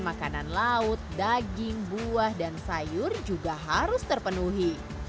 makanan laut daging buah dan sayur juga harus terpenuhi